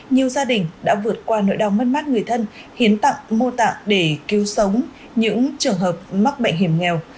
nhiều gia đình đã vượt qua nỗi đau mất mát người thân hiến tặng mô tạng để cứu sống những trường hợp mắc bệnh hiểm nghèo